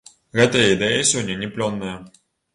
Гэтая ідэя сёння не плённая.